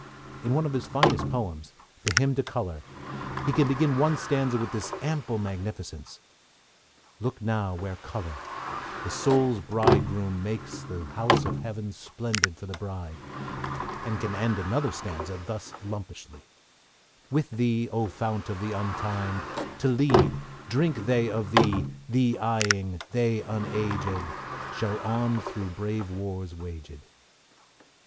In one of the finest of his poems, the Hymn to Colour, he can begin one stanza with this ample magnificence: Look now where Colour, the soul's bridegroom, makes The house of heaven splendid for the bride; and can end another stanza thus lumpishly: With thee, O fount of the Untimed! to lead, Drink they of thee, thee eyeing, they unaged Shall on through brave wars waged.